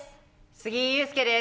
杉井勇介です。